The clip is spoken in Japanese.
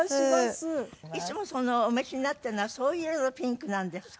いつもお召しになっているのはそういう色のピンクなんですか？